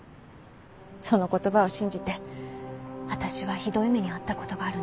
その言葉を信じて私はひどい目に遭った事があるんです。